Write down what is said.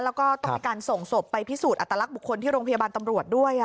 แล้วก็ต้องมีการส่งศพไปพิสูจน์อัตลักษณ์บุคคลที่โรงพยาบาลตำรวจด้วย